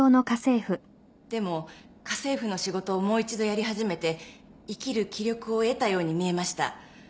でも家政婦の仕事をもう一度やり始めて生きる気力を得たように見えました。